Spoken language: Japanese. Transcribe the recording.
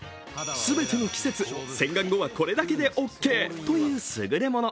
すべての季節、洗顔後はこれだけでオッケーというすぐれもの。